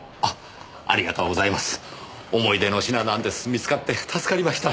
見つかって助かりました。